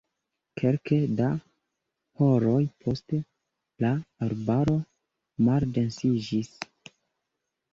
Kelke da horoj poste la arbaro maldensiĝis.